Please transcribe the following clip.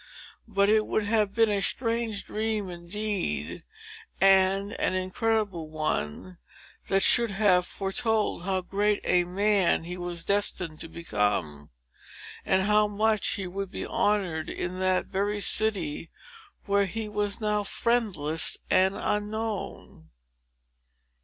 But it would have been a strange dream, indeed, and an incredible one, that should have foretold how great a man he was destined to become, and how much he would be honored in that very city, where he was now friendless, and unknown.